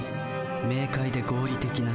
明快で合理的な思考。